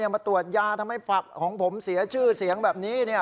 มาตรวจยาทำให้ผักของผมเสียชื่อเสียงแบบนี้